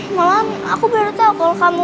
malah aku baru tau kalau kamu